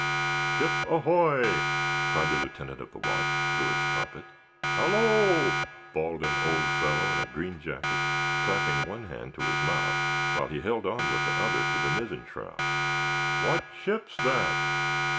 "Ship ahoy!" cried the lieutenant of the watch, through his trumpet. "Halloa!" bawled an old fellow in a green jacket, clapping one hand to his mouth, while he held on with the other to the mizzen shrouds. "What ship's that?"